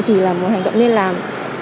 thì là một hành động nên làm